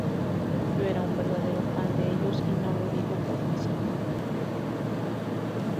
Yo era un verdadero fan de ellos, y no lo digo por que sí.